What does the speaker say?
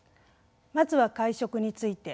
まずは会食について。